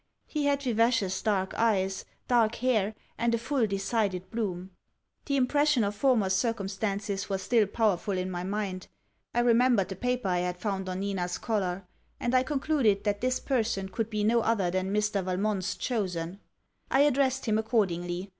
He had vivacious dark eyes, dark hair, and a full decided bloom. The impression of former circumstances was still powerful in my mind; I remembered the paper I had found on Nina's collar; and I concluded that this person could be no other than Mr. Valmont's chosen. I addressed him accordingly.